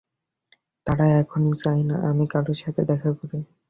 তারা কখনই চায়না আমি কারো সাথে দেখা করি।